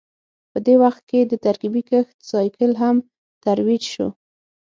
په دې وخت کې د ترکیبي کښت سایکل هم ترویج شو